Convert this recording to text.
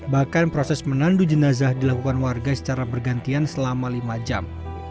bahkan proses menandu jenazah dilakukan warga secara bergantian selama lima jam